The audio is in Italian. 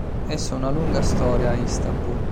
Esso ha una lunga storia a Istanbul.